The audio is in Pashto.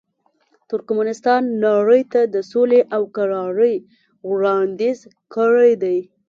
ترکمنستان نړۍ ته د سولې او کرارۍ وړاندیز کړی دی.